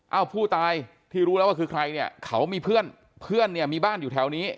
ผู้ตายที่รู้แล้วว่าคือใครเนี่ยเขามีเพื่อนเพื่อนเนี่ยมีบ้านอยู่แถวนี้